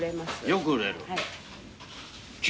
よく売れる？